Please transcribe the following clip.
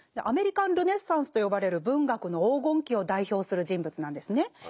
「アメリカン・ルネッサンス」と呼ばれる文学の黄金期を代表する人物なんですね。